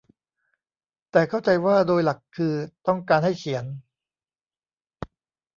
แต่เข้าใจว่าโดยหลักคือต้องการให้เขียน